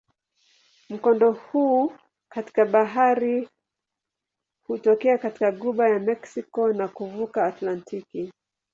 Mkondo huu katika bahari hutokea katika ghuba ya Meksiko na kuvuka Atlantiki.